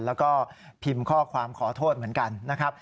แล้วก็พิมพ์ข้อความขอโทษเหมือนกันนะครับ